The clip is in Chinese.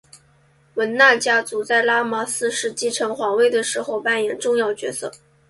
汶那家族在拉玛四世继承皇位的时候扮演重要角色。